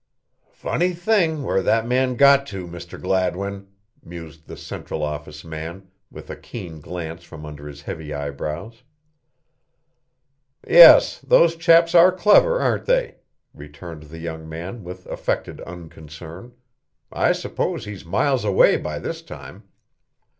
"Funny thing where that man got to, Mr. Gladwin," mused the Central Office man, with a keen glance from under his heavy eyebrows. "Yes, those chaps are clever, aren't they?" returned the young man with affected unconcern. "I suppose he's miles away by this time."